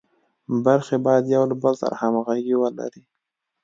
برخې باید یو له بل سره همغږي ولري.